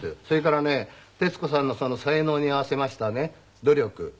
それからね徹子さんのその才能に合わせましたね努力。